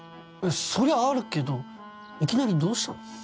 そりゃあるけどいきなりどうしたの？